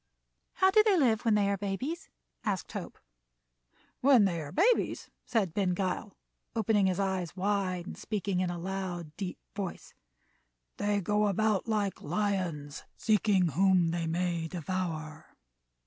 "How do they live when they are babies?" asked Hope. "When they are babies," said Ben Gile, opening his eyes wide and speaking in a loud, deep voice, "they go about like lions seeking whom they may devour."